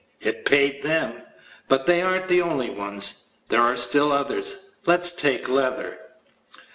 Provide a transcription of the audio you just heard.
It paid them. But they aren't the only ones. There are still others. Let's take leather.